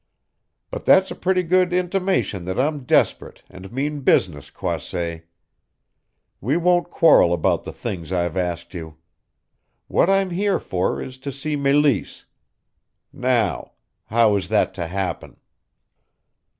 "But that's a pretty good intimation that I'm desperate and mean business, Croisset. We won't quarrel about the things I've asked you. What I'm here for is to see Meleese. Now how is that to happen?"